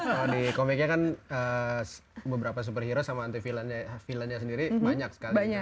kalau di komiknya kan beberapa superhero sama anti filmnya sendiri banyak sekali